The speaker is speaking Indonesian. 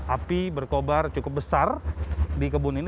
api berkobar cukup besar di kebun ini